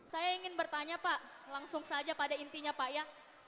saya ingin bertanya pak langsung saja pada intinya pak ya